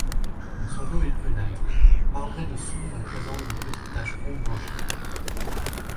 Son dos est brunâtre, marbré de sombre et présente de petites taches rondes blanchâtres.